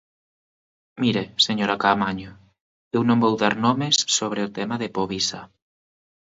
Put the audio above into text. Mire, señora Caamaño, eu non vou dar nomes sobre o tema de Povisa.